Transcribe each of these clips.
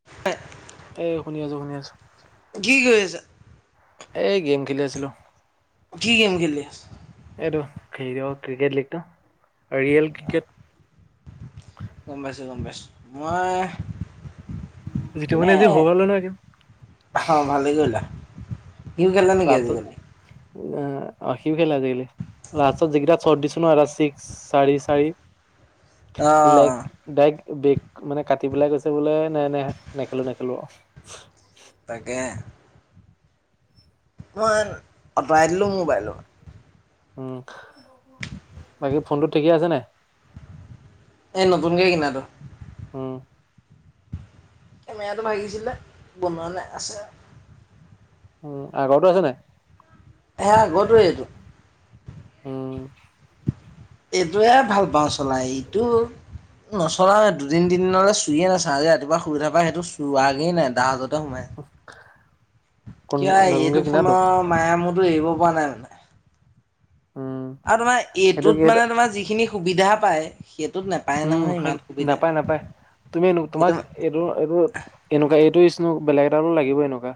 [unintelligible] এ, শুনি আছোঁ, শুনি আছোঁ। কি কৰিছা? এই গেম খেলি আছিলোঁ। কি গেম খেলি আছা? এইটো ভিডিঅ ক্ৰিকেট লীগটো, ৰিয়েল ক্ৰিকেট। গম পাইছোঁ, গম পাইছোঁ। মই যিটো ইনে মানে আজি হৈ নহয় গেম অ', ভালেই কৰিলা। সিও খেলে নেকি [unintelligible] আজিকালি? অসীম খেল আজিকালি। লাষ্টত যিকেইটা চৰ্ট দিছো ন এটা ছিক্স চাৰি, চাৰি। অ ইলাইট ডাইক বেগ মানে কাটি পেলাই গৈছে বোলে নাই নাই নেখেলোঁ নেখেলোঁ আৰু। তাকেহে। মই আতৰাই দিলো মোবাইল। উম। বাকী ফোনটো ঠিকেই আছে নাই? এ নতুনকে কিনাতটো। উম। কেমেৰাটো ভাগিছিলে, বনোৱা নাই আছে। উম, আগৰটো আছে নাই? সেয়া আগৰটোৱে এইটো। উম ভাল ভাল পাওঁ চলাই। এইটো নচলাৱে। দুদিন-তিনদিনলৈ চুইয়ে নাচাওঁ। আজি ৰাতিপুৱা শুই উঠা পৰা সেইটো চোৱাগে নাই। ডাৰাজতে সোমাই কোন কিবা, নতুনকে এইটো ফোনৰ কিনাটো মায়া-মোহটো এৰিব পৰা নাই, মানে। উম আৰু তোমাৰ, সেইটো কি এইটোত সেইটো মানে, তোমাৰ যিখিনি সুবিধা পায়, সেইটোত নাপায়। উম, সেই নাপায়-নাপায়। তুমি, সেইটো তোমাক এইটো, এইটো এনেকুৱা, এইটো [unintelligible] বেলেগ এটা হ'লেও লাগিবই এনেকুৱা।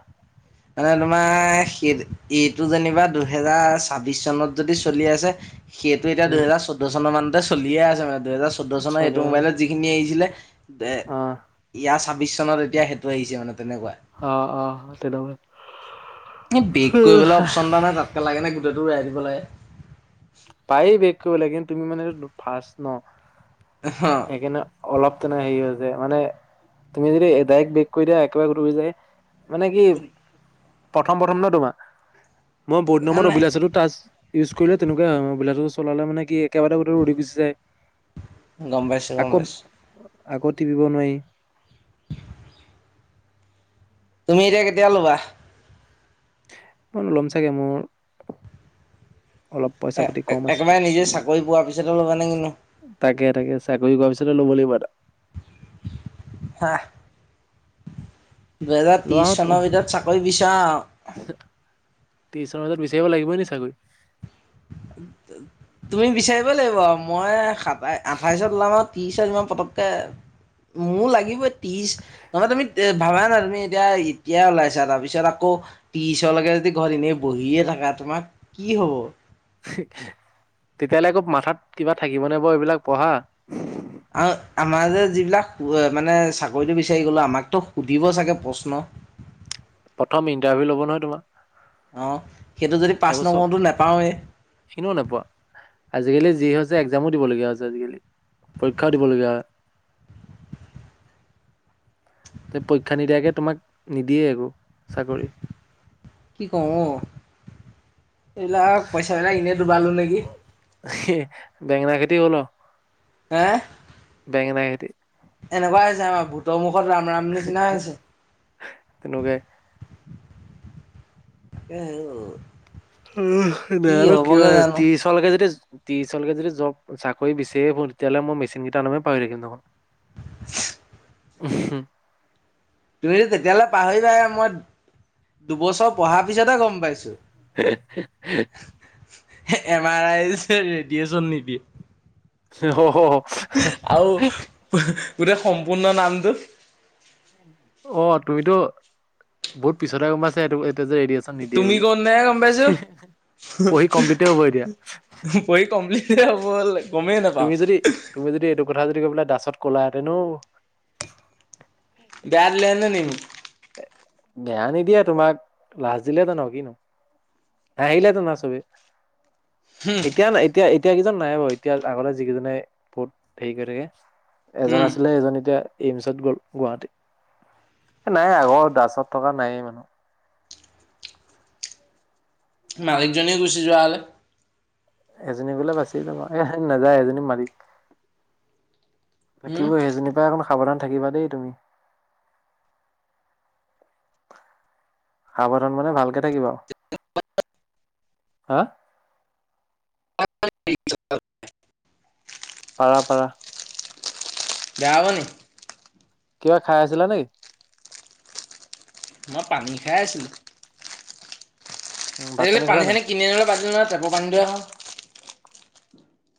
মানে তোমাৰ সেই, এইটো যেনিবা দুহেজাৰ ছাব্বিশ চনত যদি চলি আছে, সেইটো এতিয়া, দুহেজাৰ চৈধ্য চন মানতে চলিয়ে আছে, মানে। দুহেজাৰ চৈধ্য চনৰ এইটো মোবাইলত যি খিনি আহিছিলে। এ, ইয়াৰ ছাব্বিশ চনত এতিয়া, সেইটো আহিছে মানে, তেনেকুৱা। অ' অ'! তেনেকুৱা। এই বেক কৰিবলৈ অপশ্যন এটা নাই, তাতকৈ লাগেনে, গোটেইটো ওৰাই দিব লাগে। পাৰি বেক কৰিবলৈ। কিন্তু, তুমি মানেটো ফাৰ্ষ্ট ন'। অ'হ'! সেইকাৰণে, অলপ তেনে সেৰি হৈছে। মানে, তুমি যদি ডাইৰেক্ট বেক কৰি দিয়া, একেবাৰে [unintelligible] যায়। মানে কি, প্ৰথম-প্ৰথম ন' তোমাৰ? মই বহুত দিনৰ মূৰত সেইকাৰণে অভিলাইছিলো। টাচ ইউজ কৰিলে, তেনেকুৱা হয়। অভিলাছটো চলালে মানে কি, একেবাৰে গোটেইটো উৰি গুচি যায়। গম পাই আকৌ, আকৌ টিপিব নোৱাৰি। [inaudible] তুমি এতিয়া, কেতিয়া ল'বা? মই ল'ম চাগে মোৰ। অলপ পইচা এ, পাতি কম আছে একেবাৰে নিজে চাকৰি পোৱাৰ পিছত ল'বানে কিনো? তাকে-তাকে, চাকৰি কৰাৰ পিছতে ল'ব লাগিব এটা। [unintelligible] দুহেজাৰ ত্ৰিছ চনৰ ভিতৰত চাকৰি বিচাৰা আও? ট্ৰিছ চনতে বিচাৰিব লাগিব নেকি চাকৰি? তুমি বিচাৰিব লাগিব। মই, সাতাই-আঠাইশত ওলাম আৰু ত্ৰিছ। পিছত ইমান পটককে, মোৰো লাগিবই ত্ৰিছ। নহয় তুমি, ভাবা না? তুমি এতিয়া, এতিয়া ওলাইছা, তাৰপিছত আকৌ ত্ৰিছলৈকে যদি, ঘৰত এনেই বহিয়ে থাকা, তোমাৰ কি হ'ব? তেতিয়ালৈ আকৌ, মাথাত কিবা থাকিবনে বাৰু এইবিলাক পঢ়া! আৰু আমাৰ যে যিবিলাক, মানে, চাকৰিটো বিচাৰি গ'লো, আমাকতো সুধিব চাগে, প্ৰশ্ন। প্ৰথম ইণ্টাৰভিউ ল'ব নহয়, তোমাৰ। অ'! সেইটো যদি, পাঁচ নকৰোটো নোপাওঁৱেই। চিনিও নেপোৱা। আজিকালি যি হৈছে, একজামো দিবলগীয়া হৈছে আজিকালি। পৰীক্ষাও দিবলগীয়া হয়। পৰীক্ষা নিদিয়াকে তোমাক, নিদিয়ে আৰু চাকৰি। কি কৰোঁ ঔ! এইবিলাক, পইচাবিলাক এনেই ডুবালো নেকি। হে! বেঙেনা খেতি হ'ল আৰু। হে? বেঙেনা খেতি। এনেকুৱাই হৈছে অ ভুটৰ মুখত ৰাম ৰাম নিচিনা হৈছে তেনেকুৱাই এ উ উহ নাছানো কি হয় আৰু ত্ৰিশ লৈকে যদি ত্ৰিশ লৈকে জব চাকৰি বিচাৰিয়ে ফুৰো তেতিয়াহ'লে মই মেচিন কেইটা নামে পাহৰি থাকিম দেখোন। [inaudible] হু তুমিতো তেতিয়ালে পাহৰিবাহে মই দুবছৰ পঢ়াৰ পিছতেহ গম পাইছো। [inaudible] এম আৰ আই যে ৰেডিয়েচন নিবি। অ আৰু গোটেই সম্পূৰ্ণ নামটো। অ তুমিতো বহুত পিছতে গম পাইছা এইটো যে ৰেডিয়েচন নিদিয়ে তুমি বুলি। কওঁতেহে গম পাইছো পঢ়ি কমপ্লিটে হ'ব এতিয়া। পঢ়ি কমপ্লিটে হব হল নি তুমি যদি তুমি যদি এইটো কথা যদি কৈ পাই দাচত ক'লা হেতেন ও বেয়া দিলে হেঁতেন নেকি মোক বেয়া নিদিয়া তোমাক লাজ দিলে হেঁতেন আৰু কিনো। হাঁহিলেহেঁতেন আৰু চবেই এতিয়া না এতিয়া এতিয়া কেইজন নাই বাৰু এতিয়া আগতে যিকেইজনে বহুত হেৰি কৰি থাকে। এজন উম আছিলে এজন এতিয়া এইমচত গ'ল গুৱাহাটীত। নাই আগৰ দাছত থকা নাই মানুহ। মালিকজনীয়ে গুচি যোৱা হ'লে। এজনী গলে বাচিয়ে যাব, এ নাযায় এজনী মালিক উম থাকিবই সেইজনীৰ পৰা অকণ সাৱধান থাকিবা দেই তুমি। সাৱধান মানে ভালকে থাকিব আৰু। [unintelligible] হা। পাৰা পাৰা। বেয়া হব নি? কিবা খাই আছিলা নেকি? মই পানী খাই আছিলো সেই ভাত বুলি পানী খালা নাই চানী কিনি আনিবলৈ বাদ দিলো নহয়, টেপৰ পানীকে খাওঁ।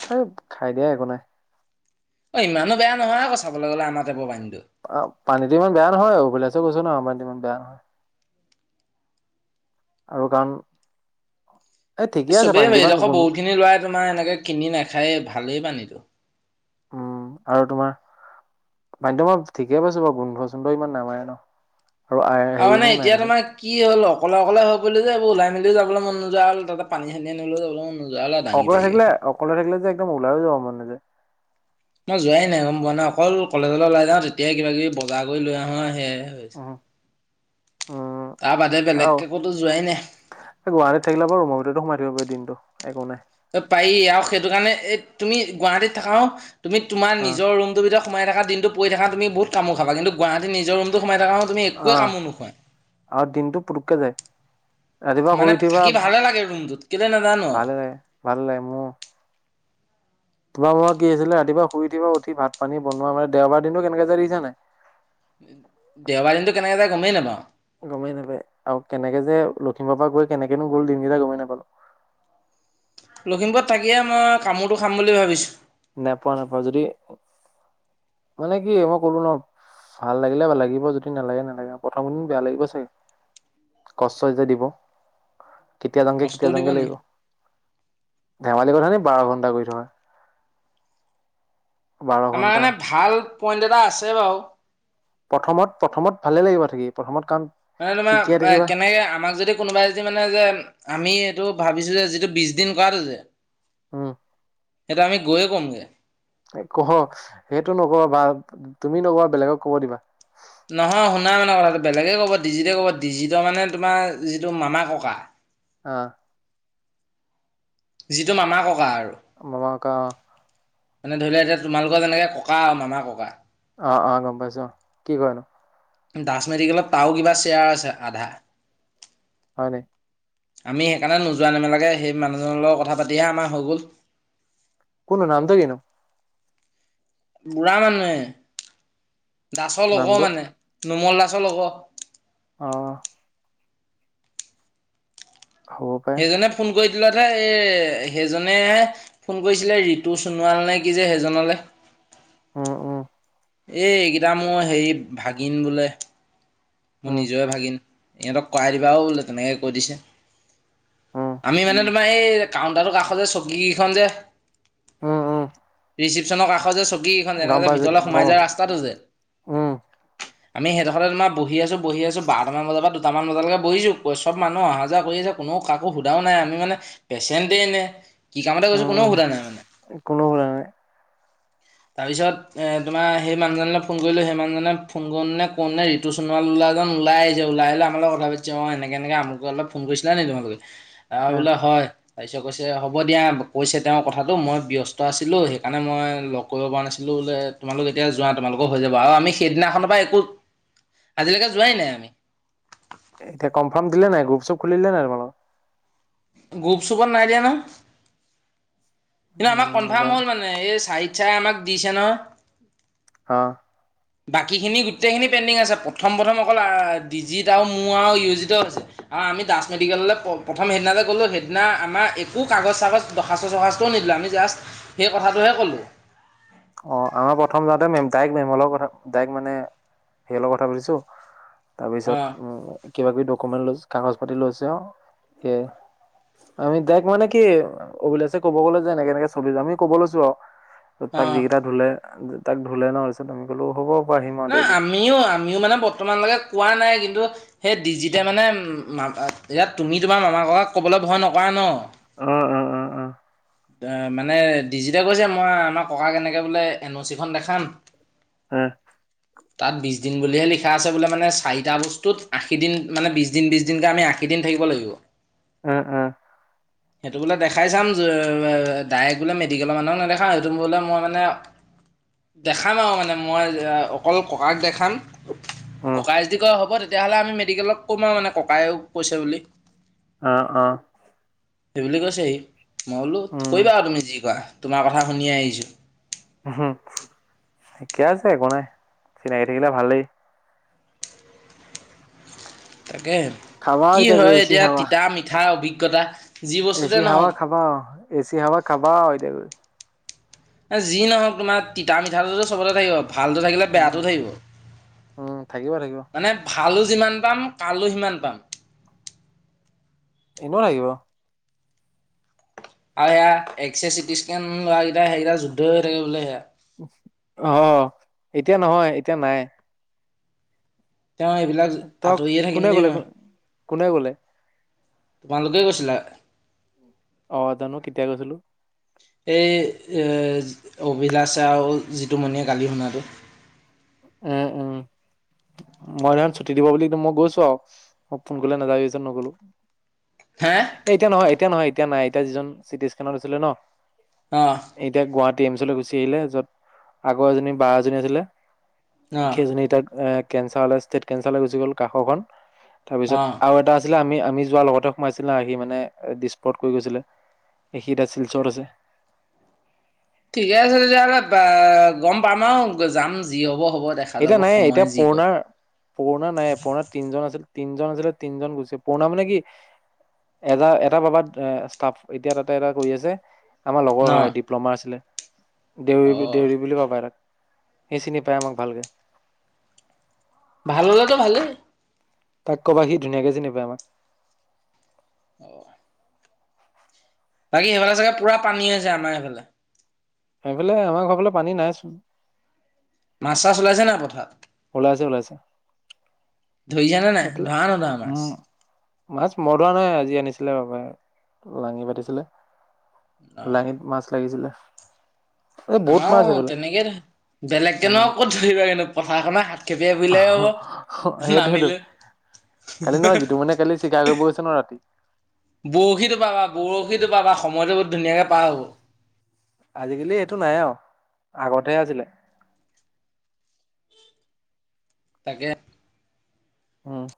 হেই খাই দিয়া একো নাই। অ লইমানো বেয়া নহয় আকৌ চাবলৈ গ'লে আমাৰ টেপৰ পানীটো। অ', পানীটো ইমান বেয়া নহয় অভিলাছো কৈছে ন আ পানী ইমান বেয়া নহয়। আৰু কাৰণ এ ঠিকে এই আছে চবেই পানীটো ইমান এইডোখৰ গুণ বহুত খিনি লৰায় তোমাৰ এনেকে কিনি নাখায়েই ভালেই পানীটো। উম আৰু তোমাৰ পানীটো মই ঠিকে পাইছো বাৰু গোন্ধ চোন্ধ ইমান নামাৰে ন। আৰু আৰু মানে হেৰিনো নাই এতিয়া দেখোন তোমাৰ কি হ'ল অকলে অকলে হৈ পৰিলো যে, এইবোৰ ওলাই মেলিও যাবলৈ মন নোযোৱা হল আৰু তাতে পানী চানী আনিবলৈও মন নোযোৱা হ'ল আৰু দাঙি অকলে পাৰি থাকিলে এখন। অকলে থাকিলে যে একদম ওলাইও যাব মন নাযায়। মই যোৱাই নাই গম পোৱা নে অকল কলেজলৈ ওলাই যাওঁ তেতিয়াই কিবা কিবি বজাৰ কৰি লৈ আহো সেয়াই। উম উম তাৰ বাদে বেলেগকে কোতো যোৱাই নাই। এ গুৱাহাটীত থাকিলা বাৰু ৰুমৰ ভিতৰতে সোমাই থাকিব পাৰি দিনটো, একো নাই। ত পাৰি আৰু সেইটো কাৰণে এই তুমি গুৱাহাটীত থাকাও তুমি তোমাৰ অ নিজৰ ৰুম টো ভিতৰত সোমাই থাকা, দিনটো পৰি থাকা তুমি বহুত কামোৰ খাবা, কিন্তুু গুৱাহাটী নিজৰ ৰুমটো সোমাই থাকা তুমি অ একোৱে কামোৰ নোখোৱা। আৰু দিনটো পুটককে যায়। ৰাতিপুৱা শুই মানে উঠিবা থাকি ভালে লাগে ৰুমটোত, কেলৈ নাজানো আও। ভালে লাগে ভাল লাগে মোৰো। তোমাৰ মোৰ কি আছিলে ৰাতিপুৱা শুই উঠিব, উঠি ভাত পানী বনোৱা মানে দেওবাৰ দিনটো কেনেকে যায় দেখিছা নাই। দেওবাৰ দিনটোত কেনেকে যায় গমেই নাপাওঁ। গমেই নাপায় আৰু কেনেকে যে লখিমপুৰ পৰা গৈ কেনেকেনো গ'ল দিনকেইটা গমেই নাপালোঁ। লখিমপুৰত থাকিয়ে মই কামোৰটো খাম বুলি ভাবিছোঁ। নেপাওঁ নেপাওঁ, যদি মানে কি মই কলো ন ভাল লাগিলে ভাল লাগিব, যদি নালাগে নালাগে প্ৰথম দিন বেয়া লাগিব চাগে। কষ্ট যে দিব। কেতিয়া যামগে কেতিয়া কষ্টও দিব যামগে নি লাগিব, ধেমালি কথা নেকি বাৰ ঘণ্টা কৰি থকা। বাৰ আমাৰ ঘন্টা কাৰণে ভাল পইণ্ট এটা আছে বাৰু। প্ৰথমত প্ৰথমত ভালে লাগিব থাকি, প্ৰথমত কাৰণ মানে শিকিয়ে তোমাৰ থাকিবা কেনেকে আমাক যদি কোনোবাই যদি মানে যে, আমি এইটো ভাবিছো যে, যিটো বিশ দিন কৰাটো যে, উম। সেইটো আমি গৈয়েই ক'মগে। অহ সেইটো নকবা, তুমি নকবা বেলেগক কব দিবা। নহয় শুনা মানে কথাটো বেলেগেই ক'ব, ডিজিতে ক'ব ডিজিতৰ মানে তোমাৰ যিটো মামা ককা অঁ। যিটো মামা ককা আৰু। মামা ককা অঁ। মানে ধৰি লোৱা, এতিয়া তোমালোকৰ যেনেকে ককা আৰু মামা ককা। অঁ অঁ গম পাইছো অঁ, কি কৰেনো? দাস মেডিকেলত তাৰয়ো কিবা শ্বেয়াৰ আছে আধা। হয় নি? আমি সেইকাৰণে নোযোৱা নেমেলাকে সেই মানুহজনৰ লগত কথা পাতিহে আমাৰ হৈ গ'ল। কোনো হয়, নামটো কিনো? বুঢ়া মানু্হে, দাসৰ লগৰ নামটো মানে, নোমল দাসৰ লগৰ। অঁ। হ'ব পাৰে সেইকোনে ফোন কৰি দিলত সে সেইজনেই হে ফোন কৰিছিলে, ৰিতু সোণোৱাল নে কি যে সেইজনলে। উম উম এই এইকেইটা মোৰ হেৰি ভাগিন বোলে। মোৰ উম নিজৰেে ভাগিন, ইহঁতক কৰাই দিবাও বোলে তেনেকৈ কৈ দিছে। উম আমি মানে তোমাৰ এই কাউণ্টাটোৰ কাষৰ যে চকীকেইখন যে, উম উম ৰিচিপচনৰ কাষৰ যে চকী কেইখন যেনেকৈ গম যে পাইছো ভিতৰলৈ সোমাই গম যোৱা ৰা স্তাটো যে, উম আমি সেইডোখৰতে তোমাৰ বহি আছো বহি আছো বাৰটামান বজাৰ পৰা দুটামান বজালৈকে বহিছোঁ, চব মানুহ অহা যোৱা কৰি আছে কোনো কাকো সোধায়ো নাই আমি মানে পেচেন্ট নে, কি কামত গৈছো উমহ কোনো সোধা নাই। তাৰপিছত এ তোমাৰ সেই মানুহজনলৈ ফোন কৰিলো, সেই মানুহজনলে ফোন কৰো মানে কোনে ৰি তু সোনোৱাল বোলা এজন ওলাই আহিছে, ওলাই আহি আমাৰ লগত কথা পাতিছে। অ এনেক এনেকে আমোকলৈ ফোন কৰিছিলা নেকি তোমোলোকে? আমি আহ বোলে হয়। তাৰপিছত কৈছে, হ'ব দিয়া কৈছে তেওঁৰ কথাটো মই ব্যস্ত আছিলোঁ সেইকাৰণে মই লগ কৰিব পৰা নাছিলোঁ বোলে তোমালোক এতিয়া যোৱা তোমালোকৰ হৈ যাব আৰু আমি সেইদিনাখনৰ পৰা একো আজিলৈকে যোৱাই নাই আমি। এতিয়া কনফাৰ্ম দিলে নাই গ্ৰুপ শ্ৰুপ খুলিলে নাই তোমালোকৰ? গ্ৰুপ চুপত নাই দিয়া নহয়। কিন্তু আমাৰ উম কনফাৰ্ম যাম হ'ল মানে এই চা চাৰে আমাক দিছে নহয়। অ। [inaudible] বাকীখিনি গোটেইখিনি পেনদিং আছে প্ৰথম প্ৰথম অকল ডিজিত আৰু মোৰ আৰু ইউজিত হৈছে। আৰু আমি দাস মেডিকেললৈ প্ৰথম সেইদিনা যে কলো সেইদিনা আমাৰ একো কাগজ চাগজ দৰ্খাস্ত চখাস্তও নিদিলে আমি জাষ্ট সেই কথাটোহে কলো। অ আমাৰ প্ৰথম যাওঁতে মেম ডাইৰেক্ট মেমৰ লগত অ-কথা ডাইৰেক্ট মানে হেৰি লগত কথা পাতিছো তাৰ অ পিছত কিবা-কিবি ডকুমেন্ট কাগজ পাতি লৈছে আৰু সেয়াই আমি তাইক মানে কি, অভিলাষে ক'ব গ'লে যে এনেকে এনেকে চলি যাম, আমি ক'ব লৈছোঁ আৰু, অ তাক যিকেইটা ধুলে তাক ধুলে ন? পিছত আমি ক'লো হ'ব। আহিম আও নহ ডেইলি আমিও, আমিও মানে বৰ্তমানলৈকে কোৱা নাই কিন্তু সেই ডিজিটে মানে ম ইয়াত তুমি তোমাৰ মামাৰ ঘৰত ক'বলৈ ভয় নকৰা ন? অ, অ অ অ মানে ডিজিটে কৈছে মই আমাৰ ককাক এনেকৈ বোলে এন অ' চিখন দেখাম। হয়', তাত বিছ দিন বুলিহে লিখা আছে বোলে মানে চাৰিটা বস্তুত আশী দিন মানে বিছ দিন বিছ দিনকে আমি আশী দিন থাকিব লাগিব। [inaudible] অ অ [inaudible] সেইটো বোলে দেখাই চাম ডাইৰেক্ট বোলে মেডিকেলৰ মানুহক নেদেখাওঁ সেইটো বোলে মই মানে দেখাম আৰু মানে মই অকল ককাক দেখাম উম, ককাই যদি কই হ'ব তেতিয়াহ'লে আমি মেডিকেলক ক'ম আৰু মানে ককায়ও কৈছে বুলি অ', অ। সেইবুলি কৈছে সি, মই বোলো উম, কৰিবা আৰু তুমি যি কৰা তোমাৰ কথা শুনিয়ে আহিছোঁ। হ, ঠিকে আছে একো নাই। চিনাকি থাকিলে ভালেই তাকে আৰু, খাবা আৰু কি গৈ হয় এচি এতিয়া তিতা, মিঠা অভিজ্ঞতা যি এ বস্তুতে চি হাৱা নহওক খাবা আৰু এ চি হাৱা খাবা আৰু এতিয়া গৈ। এ যি নহওঁক তোমাৰ তিতা মিঠাটোতো চবতে থাকিব ভালটো থাকিলে উম, বেয়াটো থাকিব। উম', থাকিব, থাকিব। মানে ভালো যিমান পাম কালো সিমান পাম। নিব লাগিব? আৰু সেয়া এক্স ৰে, চিটি স্কেন লোৱা কেইটা সেইকেইটা যুদ্ধ হৈ থাকে বোলে সেয়া অ', এতিয়া নহয়, এতিয়া নাই। তেওঁ এইবিলাক তই আঁতৰিয়ে কোনে থাকিম দেই ক'লে মই কোনে ক'লে? তোমালোকে কৈছিলা। অ', জানো কেতিয়া কৈছিলোঁ। এই, এ অভিলাষে আৰু জিতুমণিয়ে কালি শুনাটো উম উম মই [unintelligible] ছুটি দিব বুলি মই গৈছোঁ আৰু, মই ফোন কৰিলে নাযায় [unintelligible] নগ'লো। হে? হে এতিয়া নহয়, এতিয়া নহয়, এতিয়া নাই, এতিয়া যিজন চিটি স্কেনত আছিলে ন' অ'। এতিয়া গুৱাহাটী এইমচলৈ গুচি আহিলে, য'ত আগৰ জনী বাঁ এজনী আছিলে। অ সেইজনী এতিয়া এ কেঞ্চাৰলৈ ষ্টেট কেঞ্চাৰলৈ গুচি গ'ল কাষৰ খন, অ তাৰপিছত আৰু এটা আছিলে, আমি আমি যোৱাৰ লগতে সোমাইছিলে আহি মানে দিছপুৰত কৈ গৈছিলে। সি এতিয়া শিলচৰত আছে। ঠিকে আছে তেতিয়াহ'লে আ, গৰম পাম আৰু যাম যি হ'ব হ এতিয়া নাই, এতিয়া পুৰণাৰ পুৰণা নাই, পুৰণা তিনজন আছিল। তিনজন আছিলে, তিনজন গুচি পুৰণা মানে কি এটা এটা বাবাত ষ্টাফ এতিয়া তাতে এটা কৰি আছে। আমাৰ লগৰ ন হয় ডিপ্ল'মা আছিলে, অ দেউৰী বুলি দেউৰী বুলি ক'ব পাৰে তাক। সি চিনি পাই আমাক ভালকে। ভাল হ'লেতো ভালেই। তাক ক'বা সি ধুনীয়াকে চিনি পায় আমাক। অ'। বাকী সেইফালে চাগে পুৰা পানী আছে, আমাৰ এইফালে। সেইফালে, আমাৰ ঘৰৰ ফালে পানী নাইচোন। মাছ-চাছ ওলাইছে নাই পথাৰত? ওলাইছে ওলাইছে ধৰিচানে নাই? এইফালে ধৰানে নধৰা মাছ? উম মাছ মৰা নাই আজি আনিছিলে বাবে, লাঙি পাতিছিলে। অ', লাঙিত মাছ লাগিছিলে। এই বহুত মাছ আমাৰো এইফালে তেনেকে [unintelligible] বেলেগকে উম নো আৰু ক'ত ধৰিবা কিন্তু পথাৰখনত খেপিয়াই পেলে অলপ সেইটোয়েতো নামিলো। কালি নহয় [unintelligible] কালি চিকাৰ কৰিব গৈছে নহয় ৰাতি। বৰশীতো বাবা, বৰশীটো বাবা সময়তো বহুত ধুনীয়াকে পাৰ হ'ব। আজিকালি এইটো নাইয়ে আৰু, আগতেহে আছিলে। তাকে। উম।